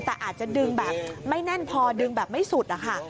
แต่อาจจะดึงแบบไม่แน่นพอดึงแบบไม่สุดอะค่ะ